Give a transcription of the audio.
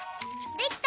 できた？